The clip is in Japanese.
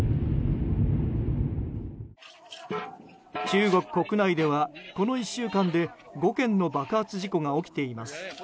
中国国内ではこの１週間で５件の爆発事故が起きています。